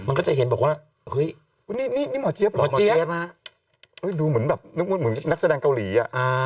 มันก็จะเห็นบอกว่าเฮ้ยนี่หมอเจี๊ยบเหรอหมอเจี๊ยบดูเหมือนแบบนึกเหมือนนักแสดงเกาหลีอ่ะ